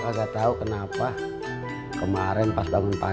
kalo kata surti sama tajudin mah